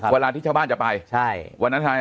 เวลาที่วันนั้นชายจ้าวาดจะไป